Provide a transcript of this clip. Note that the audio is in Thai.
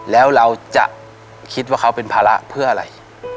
แล้วเราจะคิดว่าเขาเป็นภาระเพื่ออะไร